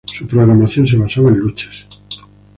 Su programación se basaba en luchas.